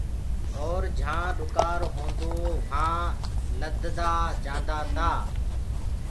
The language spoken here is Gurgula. اور جھآنٚ ڏُڪار هونٚدو وهانٚدي لد جآندآ تآ۔